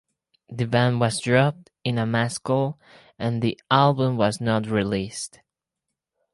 The band was dropped in a mass cull and the album was not released.